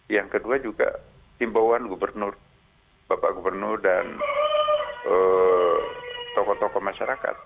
yang kedua juga timbawan gubernur bapak gubernur dan tokoh tokoh masyarakat